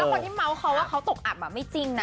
คนที่เมาส์เขาว่าเขาตกอับไม่จริงนะ